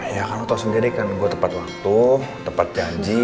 ya karena toh sendiri kan gue tepat waktu tepat janji